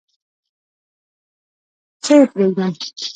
څه یې پرېږدم؟